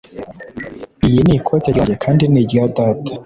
Iyi ni ikote ryanjye kandi ni irya data